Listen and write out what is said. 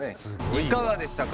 いかがでしたか？